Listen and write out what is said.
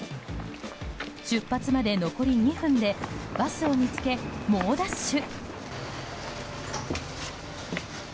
出発まで残り２分でバスを見つけ猛ダッシュ。